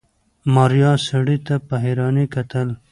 ماريا سړي ته په حيرانۍ کتل.